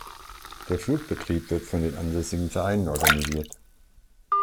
Der Flugbetrieb wird von den ansässigen Vereinen organisiert.